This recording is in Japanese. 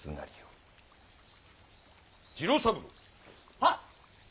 はっ！